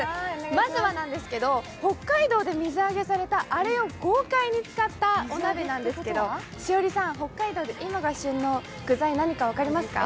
まずは北海道で水揚げされたあれを豪快に使ったお鍋なんですけれども、栞里さん、北海道で今が旬の具材、何か分かりますか？